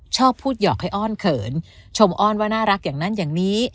ชอบพูดหยอกให้อ้อนเขินชมอ้อนว่าน่ารักอย่างนั้นอย่างนี้